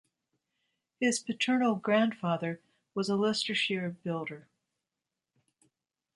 His paternal grandfather was a Leicestershire builder.